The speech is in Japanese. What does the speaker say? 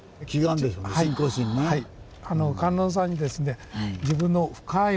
はい。